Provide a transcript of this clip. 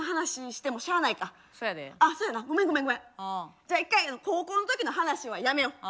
じゃあ一回高校の時の話はやめよう。